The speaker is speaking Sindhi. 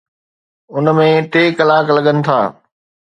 ان ۾ ٽي ڪلاڪ لڳن ٿا.